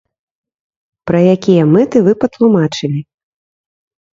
Пра якія мэты вы патлумачылі?!